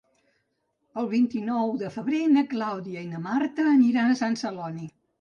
El vint-i-nou de febrer na Clàudia i na Marta aniran a Sant Celoni.